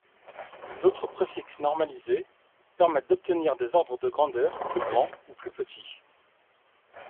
D'autres préfixes normalisés permettent d'obtenir des ordres de grandeurs plus grands ou plus petits.